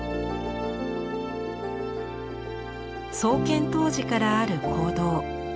創建当時からある講堂。